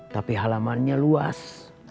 tapi halamannya luas